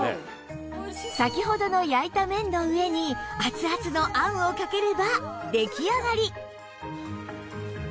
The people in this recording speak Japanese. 先ほどの焼いた麺の上に熱々のあんをかければ出来上がり！